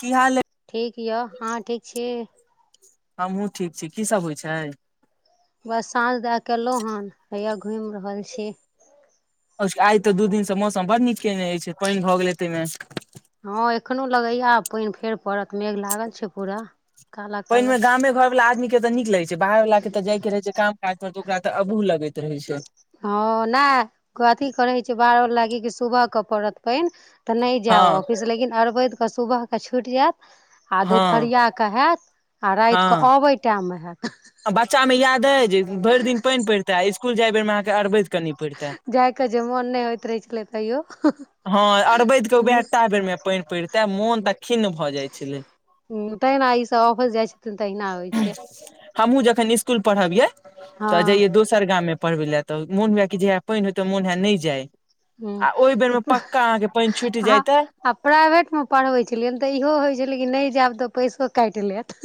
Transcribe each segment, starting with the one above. की हाल अय ठीक यऽ आँहा ठीक छी हमहु ठीक छी की सब होइ छै बस साँझ दए के अलहुँ हन हैया घुमि रहल छी आइ तऽ दू दिनसँ मौसम बड नीक केयनेइ छै पानि भऽ गेलै तेमे हँ एखनो लगैया आ पानि फेर पड़त मेघ लागल छै पूरा काला पानि काला मे छै गामे घर वला आदमी के त नीक लगे छै बाहर वालला के ते जाय के रहे छै काम काज पर तऽ ओकरा त अबू लगे छै हँ नहि अथी करै छै बारह लागि क सुबहके पड़त पानि तऽ नहि जायब हँ ऑफिस लेकिन अरवैद के सुबह के छुटि जायत आ हँ दुपहरिया के हत आ राइत कऽ आबै टाइम मे होत आ बच्चा में याद अइ जे भरि दिन पानि पड़ितेै आ स्कुल जाय बेर मे अहाँके अरवैद कनि पड़ितै जाइके जे मोन नहि होइत रहै छलै तैयो हँ अरबहिद के उहै टा बेर मे पानि पड़िते मोन तऽ खिन्न भऽ जाइ छलै ह तहिना ई सब ऑफिस जाइ छथिन तहिना होइ छै हमहुँ जखन स्कूल पढ़बियै तऽ हँ जइय दोस सरगा मे पढ़बै ले तऽ मोन हुए कि जे हा पानि होेत मन हए नहि जाय आ ओहि बेर मे ह पक्का अहाँके पानि छुटि जाय तऽ आ प्राइवेटमे पढ़बै छलियनि तऽ इहो होइ छलै कि नहि जायब तऽ पैसो काटि लेत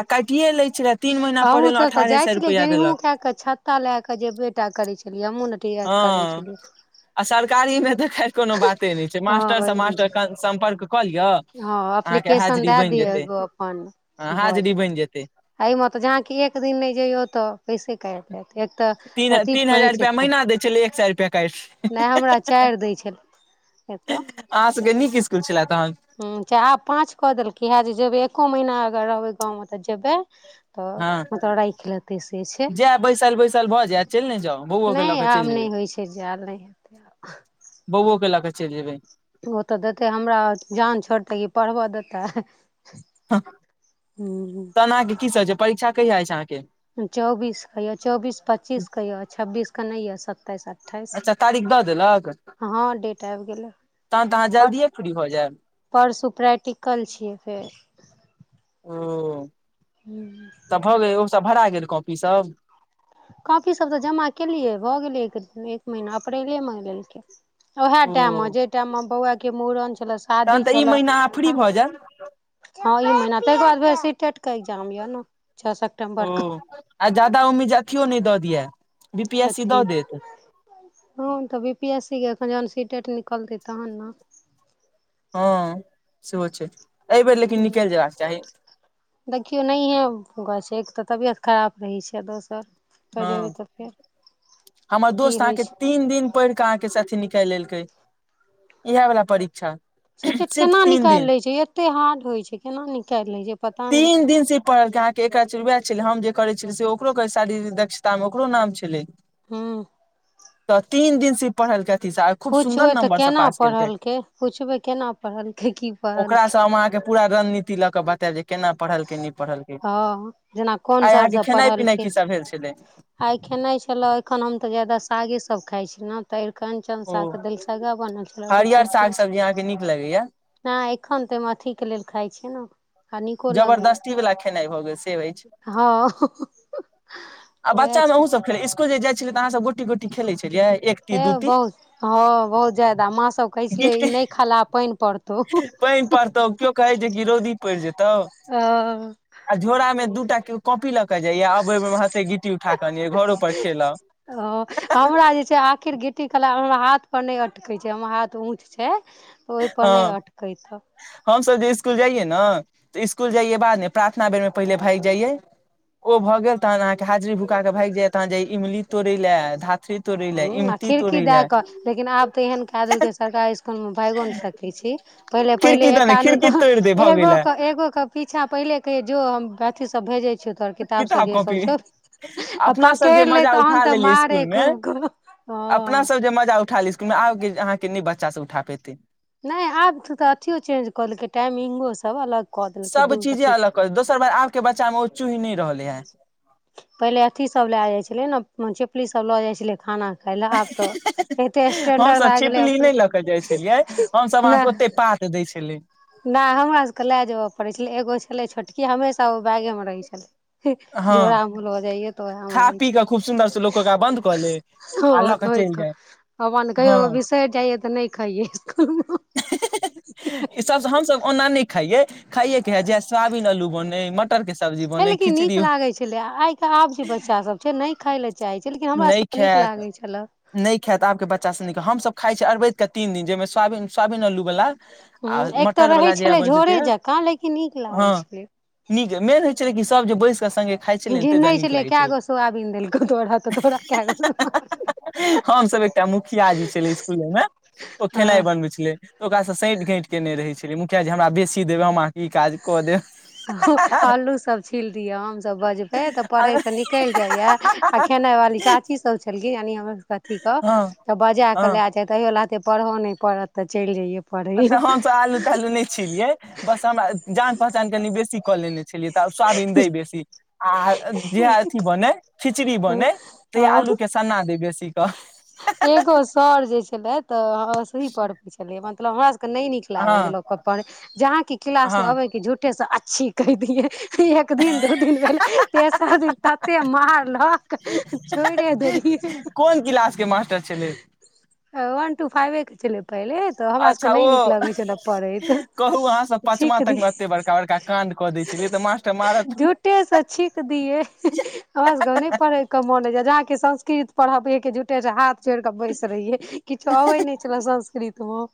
आ काटिे लैत छै रह तीन महीना पढ़ेलहु अठारह सए रुपैआ देलक के छत्ता लए क जे बेटा करे छलियै हमहु हँ आ सरकारीमे तऽ खै कोनो बाते नहि छै हँ मास्टरसभ ओहिमे जे मास्टर सम्पर्क कऽ लिअ हँ अहाँके एप्लीकेशन हाजरी दए बनि दिय जेतै एगो अपन हँ भऽ हाजरी जाय बनि जेतै अई मे त जहां एक दिन नहि ज‌इयौ त पैसे काटि देत एक तीन तऽ अथी तीन हजार कहै छै रुपैआ क महीना दै छलै एक सए रुपैआ काटि नहि हमरा चारि दै छल अहाँ सबके नीक स्कूल छला तहन ह च आब पाँच कऽ देलकै हए जे जेबै एक्को महीना अगर रहबै गाँवमे तऽ जेबै तऽ हँ मतरा राखि लेतै से छै जायब बैसल बैसल भऽ जायत चलि ने जाउ बौओ के लऽ नहि कऽ चलि आब जेबै नहि होइ छै कि जाएल नहि हेतै आब बौओ के ल का चलि जेबै तु ओ तऽ देतै हमरा जान छोड़तै ई पढ़बऽ देतै हं हं तहन अहाँके की सभ छै परीक्षा कहिया अछि अहाँके चौबीस के य चौबीस पच्चीस के यऽ छब्बीस के नहि य सताईस अठ अठाइस अच्छा तारीख दऽ देलक हँ डेट आबि गेलैय तहन तऽ अहाँ प जल्दिए फ्री भऽ जायब परसु प्रैक्टिकल छियै फेर हुं त भऽ गेल ओ सभ भरा गेल कॉपी सब कॉपी सभ तऽ जमा केलियै भऽ गेलै एक एक महीना अप्रैले महे लेलकै उएह ओ टाइम म जाहि टाइम म बौआके मूड़न छला शादी तहन तऽ ई छला महीना अहाँ फ्री ह भऽ जायब हँ ई महिना ताहि दुआरे सीेटेट के एग्जाम यऽ न छ सेप्टेम्बर क ओ आ ज्यादा उम्मीद अथियो नहि दऽ दिया बी पी एस सी कथि दऽ देत हँ तऽ बी पी एस सी कऽ एखन जहन सिटेड निकलत तहन नऽ हँ सेहो छै एहि बेेर लेकिन हूँ निकैल जैयबाक चाही देखियौ नहिए गाछै एक तऽ तबियत खराब रहैत छै दोसर होतय जेबै हँ तऽ हमर फेर दोस्त की अहाँके होइ छैय तीन दिन पढ़ केऽ अहाँ के से अथी निकालि लेलकै इहै वाला परीक्षा सिटेड सिर्फ केना तीन निकालि दिन लै छै एते हार्ड होइत छै केना निकालि लै छै पता नहि पढ़ल अहाँके एकरा चड़ वएह छलै हम जे करैत छलियै से ओकरो करै शारीर दक्षता मे ओकरो नाम छलै हूँ तऽ तीन दिन से पढ़ल अथि सा पुछबै तऽ केना पढ़लकै पुछबै केना पढ़लकै की ओकरासँ पढ़लकै हम अहाँके पूरा रणनीति लऽ कऽ बते दे केना पढ़ल के नहि पढ़ल के हँ जेना कोन आय सर अहाँके सब खेनाई पिनाइ पढ़लकै की सब भेल छले आइ खेनाइ छले एखन हम तऽ जादा सागे सब खाइ छी न तऽ अरिकंचन ओ साग के दलिसग्गानल छलै अल्लूक हरियर साग चटनी सब्जी छलै अहाँके नीक लगैया नहि एखन तऽ अथीक के लेल खाइ छी जबरदस्ती वला खेनाइ भऽ गेल से अछि हँ आ उएह बच्चामे अहूँ छल सब खेले इस्कुल जा छलियै तऽअहाँ सब गोटी गोटी खेल छलियै ने हे बहुत हँ बहुत जादा माँ सब कहै छले ई गिट्टी नहि खाला पानि पड़ते पानि पड़तौ केओ कहै छै कि रौदी पड़ि जेतौ अ आ झोरामे दू टा के कॉपी ल के जाइया अबै बेरमे बादमे गिट्टी उठाक अनियै य घरो पर खेलब ओ हमरा जे छै ने आखिर गिट्टी कला हमरा हाथ पर नहि अटकै छै हमर हाथ ऊँच छै ओहिपर नहि अटकैत छह हमसब जे इसकुल जाइये ने तऽ इसकुल जाइये बाद ने प्रार्थना बेर मे पहिले भागि जाइये ओ भऽ गेल तहन अहाँके हाजरी भुका के भागि जायत तह जे इमली तोड़े ल धथृित ह आ खिड़की दए क लेकिन आब तऽ एहन क देलकै सरकारी इ हम्मे भागियो नहि सकै छी पहिले पहिले खिड़की एक दने खिड़की तोड़ि दे आदमी भऽ गेलै एगो कऽ पीछा पहिले कहै जो हम अथी सब भेजै छै तोहर किताब सब जे सब छौ आ अपना सब जे पकड़ि लै मजा तहन उठा तऽ लेलियै मारै स्कुल मे खूब। क हँ अपना सब जे मजा उठालिए स्कुल मे आबके अहाँके नहि बच्चा सब उठा पेतै नहि आब त तऽ अथियो चेंज कऽ लेलकै टाइमिंगोसभ अलग कऽ देलकै सभ दू अथी चीजे के अलग कर छै दोसर बार आब के बच्चा मे ओ चूहि न नहि रहले है पहिले अथिसभ लए जाइ छलै ने छिपलीसभ लऽ जाइ छलै खाना खाय लेलए आब तऽ एते स्टेंडर्ड हमसभ भए गेलै छिपली अपने नहि लऽ के जाइ छलियै हमसभ अहाँके ओते पात दै छलै नै हमरा सबके लए जेबय पड़ै छलै एगो छलै छोटकी हमेशा ओ बैगे मे रहै छलै हँ झोरम ल जाइय तऽ ओहे मे खा रहै पी कऽ खूब सुन्दर से लोक ओकरा बन्द कऽ छै ले ओ आ लऽ धोइ चलि कऽ जाय हपन कहियो हँ बिसरि जाइये तऽ नहि खाइय इसकुल [inaudible] इ सब हमस ओना ने खाये खाये के है जे सोयाविन आलू बने मटर के सब्जी बने नीक लागे छले आइ के आब जे बच्चा सब छै नहि खाय लए चाहे छै लेकिन हमरा सब नहि के नीक खायत लागे छले नहि खायत आबके बच्चा सब नीकत हमसभ खाइ छिय अवैत के तीन दिन जाहि सो सोयाविन आलु वला ह आ एक तऽ मटर रहै वाला जहिया छलै बनै छै झोरे जकाँ लेकिन नीक लागै छलै नि मेलहचरे सब बैस कऽ सङगे खाइ छलिय ताहि गिनै दुआरे नीक छलियै लगै कए छलै गो सोयाबीन देलकौ तोरा तऽ तोरा कए गो हमस एकटा मुखिया जी छलै इसकुल मे ओ खेनाइ हँ बनबै छलै त ओकासँ संइत घइट के नहि रहै छलै मुखिया जे हमरा बेसी देबै हम ई काज कऽ देब आलू सब छील दियै हमसभ बजबे तऽ पढ़े से निकल जाइया आ खेनाइ वाली चाची सब यानी अहा के कथीक हँ त बजा क हँ ल जाइ तैयो लाते पढ़ऽ नहि पड़त तऽ चलि जइयौ अ तऽ हमस आलू तालू नहि छियै बस हमरा जान पहचान कनि बेसी कऽ लेने तऽ सोयाबीन द बेसी आ जेहा अथी बने खिचड़ी बनेै तहीया हँ आलू के सन्ना दे बेसी क एगो सर जे छलै तऽ सही पर्व छलै मतलब हमरा सब नहि नीक लागे छल हँ लोक पढ़ जहाँ की क्लास हँ में अबे क झूठे से आच्छी कहि दियै एक दिन दू दिन भेले तेसर दिन तते मारलह कोन क्लास के मास्टर छलै वन टू फाइवे के छलै पहले अच्छा ओ कहू अहाँसभ पचमा छीक तकमे दियै एते बड़का बड़का काण्ड कऽ दै छलियै तऽ मास्टर त मारत झूठेसँ छीक दियै हमरा सभके नहि पढ़ैके मोन होइय जहाँके संस्कृत पढ़बियै के झुठे सँ हाथ जोड़ कऽ बैस रहियै किछो अबै नहि छले संस्कृत मे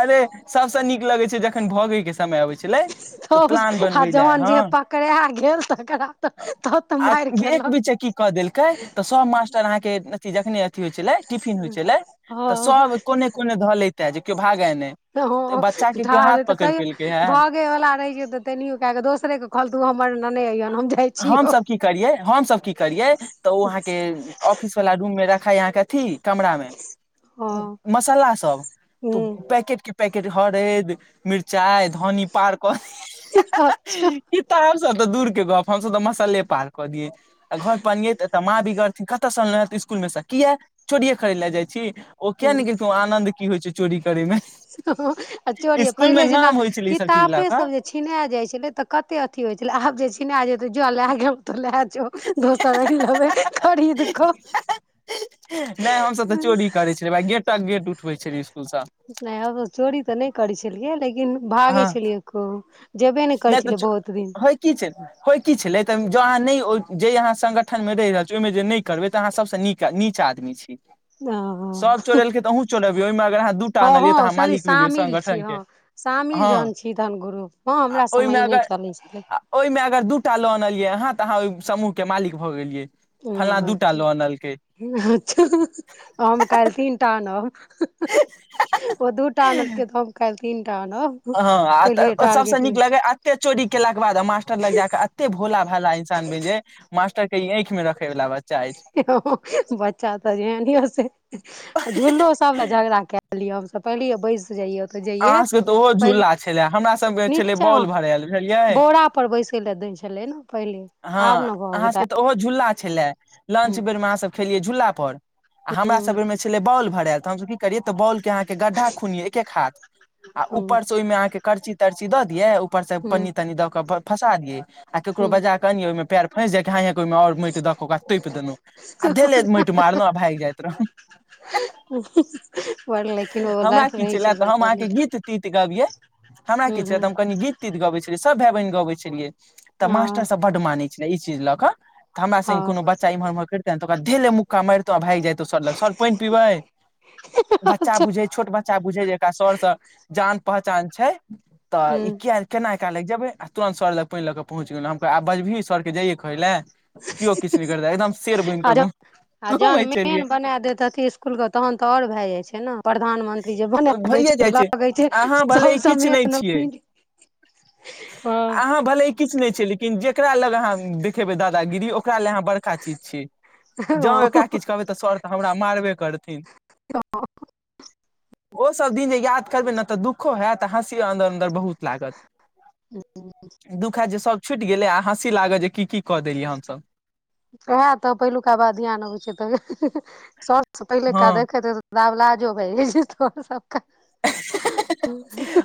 अरे सबसे नीक लगै छै जखन भगै के समय अबइ छलै तऽ प्लान आ बनबै ले जहन हँ जे पकड़ा गेल तकरा तऽ तऽ तऽ आ मारि एक खेलक बीचे की कऽ देलकै तऽ सब मास्टर अहाँके अथी जखने होइ छलै टिफिन होइ छलै तऽ हँ सभ कोने कोने धऽलैत हँ के केओ हाथ धारेतऽ पकड़ि तइयो पेलकै हे भगै वला रहै छै तऽ तनियो के क दोसरे खल तो हमर ननै [unintelligible] छियौ हमसभ की करियै हमसभ की करियै तऽ ओ अहाँके ऑफिस वाला रूम मे रखाई यहाँ के अथी कमरा मे हँ मसाला सब तऽ हूँ पैकेटके पैकेट हरैद मिरचाइ धनी पार कऽ अच्छा दियै किताब सब तऽ दूर के गप्प हमसभ तऽ मसल्ले पार कऽ दियै आ घर पर अनियेै तऽ एत माँ बिगरथिन कतय सँ अनले हें इसकुलमे सँ किए चोरीए करै लए जाइ छी ओ कियानैे हँ गेलखिन आनन्द की होइ छै चोरी करै मे आ चोरी इसकुल मे पहिले जेना नाम होइ छलै ई सब चीज लए किताबे क सब जे छिना जाय छले ते कते अथी होय छले आब जे छिना जेे जल लैय गेल तो लए जो दोसर आइन लेबै खरीद क नहि हमसभ तऽ चोरी करै छेलियै भाइ गेटक गेट उठबै छलियै इसकुलसँ नहि हम चोरी तऽ नहि करै छलियै लेकिन भागै हँ छेलियै कहू जेबे नहि करै छलियै बहुत दिन होइ की छै होइ की छले तऽ जँ अहाँ जै अहाँ संगठन मे रहि रहल छी ओहि मे जे नहि करबै तऽ अहाँ सबसँ नीक नीच आदमी छी [unintelligible] सभ हँ चोरेलकै तऽ अहू चोरेबियै ओहिमे अगर अहाँ दू टा आनलियै तऽ हँ अहाँ सॉरी मालिक भेलियै शामिल छी संगठन हँ के शामिल हँ जहन छी तहन ग्रुप मे आ हमरा ओहिमे सभमे ई नहि अगर चलै छलै आ ओहिमे अगर दू टा लो अनलियै अहाँ तऽ अहाँ ओहि समूह के मालिक भऽ गेलियै फल्ना हँ दूटा अच्छा ल अनलकेै [unintelligible] हम काल्हि तीनटा आन ओ दूटा आनलकै तऽ हम काल्हि तीनटा आनब पहिलिये हँ सबसे टारगेट नीक लगे एते चोरी केलाक के बाद मास्टर लग जाक एत्तेक भोला भाला इंसान जे मास्टर के ई आँखि मे रखे वला बच्चा अछि बच्चा तऽ जेहन से झूललो सब लए झगड़ा कए लियै हमसभ पहिलिये बैस जाइएऽ जइयै अहाँ सबके तऽ ओहो पहिले झूला छले हमरा सबके छले नीचा बॉल भरायल बुझलियै बोरा पर बैसै लए दै छलै ने पहिले आब हँ ने भऽ अहाँ गेलै सभके तऽ ओहो झूला छलए हूँ लंच बेरमे अहाँसभ खेलियै झूला पर आ हमरा सभ बेरमे छलै बाउल भरायल तऽ हमरा सभी करियै तऽ बॉलके अहाँके गड्ढा खुनियै एक एक हाथ आ हूँ ऊपर से ओहिमे अहाँके करर्ची तर्ची दऽ दियै ऊपर से हूँ पन्नी तन्नी दऽ कऽ फंसा दिये आ केकरो हूँ बजाकऽ अनियै ओहिमे पैर फँसि जाय कि हांय हांय के ओहिमे और माटि दऽ कऽ ओकरा तोपि देलहु आ धैले माटि मारलहुँ आ भागि जाइत रहलौं [inaudible] लेकिन ओ हमरा लाइफ किछ रहै ले छै तऽ से हम बड़ अहाँके नीक गीत तीत गबियै हमरा हूँ कि छै हूँ हम कनी गीत गबै छलियै सभ भाय बहिन गबै छलियै तऽ हँ मास्टरसभ बड्ड मानै छलै ई चीज लऽ कऽ तऽ हमरा हँ संगे कोनो बच्चा इम्हर उम्हर करितेै तऽ ओकरा धैलै मुक्का मारितौं आ भागि जैतौं सर लग सर पइन पीबै बच्चा बुझै छोट बच्चा बुझै जेकरा सरसँ जान पहचान छै तऽ हूँ केना एकरा लग जेबे आ तुरंत सर लग पइन लऽ कऽ पहुंच गेलौं हम आब बजबही सरके जइयए खााय लए केओ किछु नहि करत एकदम शेर बुनि कऽ आरो ग आ जहन मेन बना देैत अथि इस्कुलके तहन तऽ आओर भए जाइत छै ने प्रधानमंत्री जे बना दैत भइए छै जाइ लगै छै अहाँ भले सब किछु समय नहि छियै हँ अहाँ भले किछु नहि छै लेकिन जेकरा लग अहाँ देखेबै दादागिरी ओकरा लग अहाँ बड़का चीज छियै ज एकारा किछु कहबै तऽ सर तऽ हमरा मारबे करथिन [inaudible] ओ सब दिन जे याद करबै ने तऽ दुःखो होयत आ हँसियो अन्दर अन्दर बहुत लागत ह दुःखै जे सभ छुटि गेलै आ हँसी लागत जे की की कऽ देलियै हमसभ उएह तऽ पहिलुका बा ध्यान अबैत छै तऽ स पहिलुका हँ देखैत रह लाब लाज होय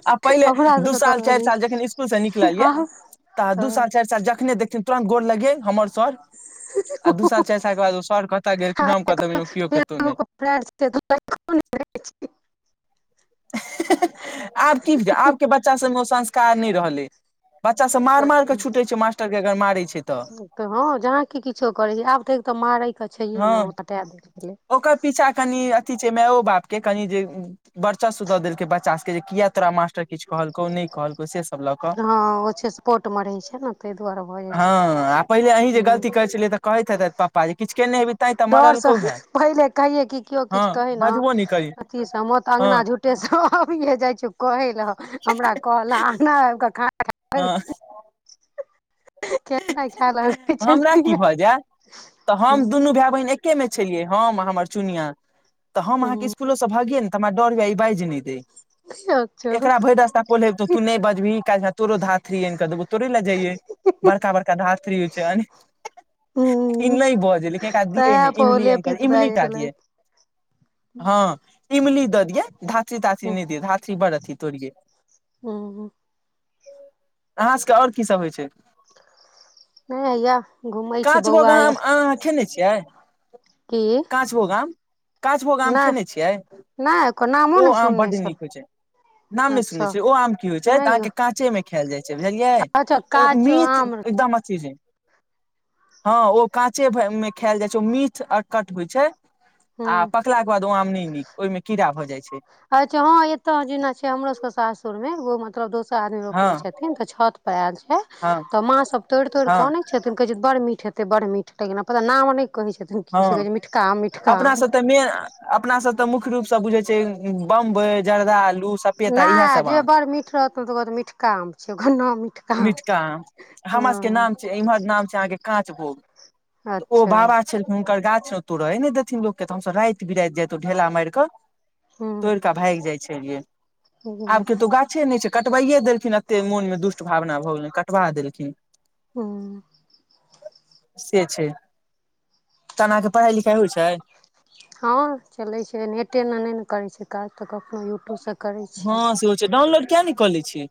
आ पहिले ओकरा दू सबके तऽ साल चारि बजे साल जखन इसकुलसँ निकलल यऽ तऽ दू साल चारि साल जखने देखथिन तुरन्त गोर लगे हमर सर आ दू साल चारि साल के बाद ओ सर कतऽ गेल फि कतहु गेलहुँ केओ कतहु नहि [inaudible] आब की आबके बच्चा सभमे ओ संस्कार नहि रहलै बच्चासभ मार मारि कऽ छुटैत छै मास्टरके अगर मारै छै तऽ तऽ हँ जहाँ की किछो करै छै आब तऽ एक तऽ मारय के छैये ने ओ हँ तटा देल गेलै ओकर पीछा कनि अथी छै मो बाप के कनि जे वर्चासु दऽ देलकै बच्चा सभके जे किया तोरा मास्टर किछु कहलकौ नहि कहलकौ से सब लऽ कऽ हँ ओ छै सपोटमे रहै छै ने ताहि दुआरे भऽ जाइ छै ह ठीके तऽ कहैत हे पापा जी किछु केने हेबही तैं तऽ डरसँ मरलकौ हे पहिले कहि कि केओ हँ किछु कहै ने बजबो नहि करी अथीसँ मत अगना हँ टेशबए जाइ छियौ कहै लए हमरा कहल नहि आबिकऽ खाना ख ह [inaudible] खाय लगै छै हमरा की भऽ जायतऽ हम दुनू भाई बहिन एक एके मे छियै हम हमर चुनिया तऽ हम अहाँ कि ह स्कूलो से भागिय ने त हमरा डर भ बाइ कि कहि बाइज नहि अच्छा देत ह एकरा भरि रास्ता पोलेलू तू नहि बजबही काइल तोरो धातरि देबो तोरे लए जइये बड़का बड़का धातरि हो छै इ नहि बजय लेकिन एक तै दिए ने पर ओ इमलियन लेपित इमली भए जाइ टा दिय छलै हँ इमली दऽ दियै धातरि तात्री नहि दिय धातरि बड़ अथी तोड़िये ओ [inaudible] अहाँ सभके ओर की सभ होइ छै नहि हैया घूमै छी काँच भोग बौआ या आम अहाँ खेने छियै की काँच भोग आम काँच भोग आम नहि खेने छियै नहि ओकर नामो ओ नहि आम सुनने बड नीक होइ छलहुँ छै नाम ने सुनने अच्छा छियै ओ आम की होइ छै नहि यौ अहाँके काँचे में खायल जाइ छै बुझलियै अच्छा ओ काचो मीट आम एकदम मसीज हँ ओ काँचे में खायल जाइ छै ओ मीठ अकट होइ छै आ हूँ पकलाके बाद ओ आम नहि नीक ओहिमे कीड़ा भऽ जाइत छै अच्छा ह एतय जेना छै हमरो सब के सासुर में ओ मतलब दोस्त आदमी हँ रोपने छथिन तऽ छत पर आयल छै हँ तऽ माँ सब तोड़ तोड़ हँ कने छथिन कहै छथि बड़ मिठ हेतै बड़ मिठ हतैना पता नाम नहि कहै छथिन कि कहै हँ छै मिठका मीठ अपना सब ते मेन अपना सब ते मुख्य रूप से बुझे छै बम्ब जर्दलू नहि जे बड़ मिठ रहतौ तऽ मिठका आम छै घन्ना मिठ मिटका हमर सबके नाम इमहर नाम छै अहाँके काँच भोग हँ त ओ अच्छा बाबा छलख हुनकर गाछ मे तोरय ने देथिन लोकके तऽ हमस राति बिराति जायत ओ ढेला मारिकऽ हूँ तोड़ भागि जाइ छै आब हूँ के तो गाछे नहि छै कटबै देलखिन एते मोन मे दु भावना भऽ गेलनि कटबा देलखिन हँ [inaudible] से छै तहन आहा के पढ़ाई लिखाई होइ छै हँ चलैत छै नेटे एना नहि ने करैत छै काज तऽखनो यूट्यूबसँ करै छियै हँ सेहो छै डाउनलोड किया नहि कऽ लै छियै